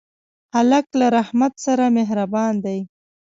هلک له رحمت سره مهربان دی.